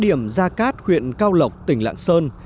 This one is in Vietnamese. điểm gia cát huyện cao lộc tỉnh lạng sơn